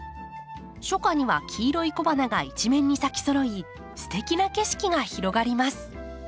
初夏には黄色い小花が一面に咲きそろいすてきな景色が広がります。